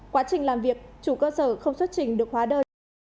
quá trình làm việc chủ cơ sở không xuất trình được hóa đơn